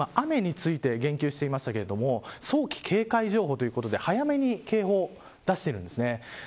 特に今、雨について言及していましたが早期警戒情報ということで早めに警報を出しているんです。